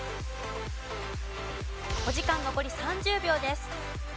お時間残り３０秒です。